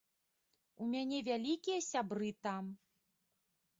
У мяне вялікія сябры там.